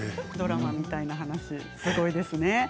ドラマみたいな話、すごいですね。